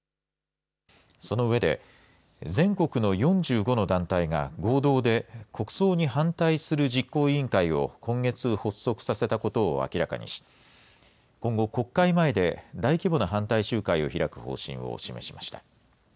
その上で、全国の４５の団体が合同で国葬に反対する実行委員会を、今月発足させたことを明らかにし、今後、国会前で大規模な反対集会を開く方針を示しました。